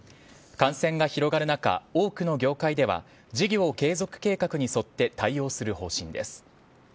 感染が広がる中、多くの業界では事業継続計画に沿って対応する方針です。